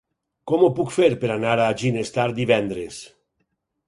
Com ho puc fer per anar a Ginestar divendres?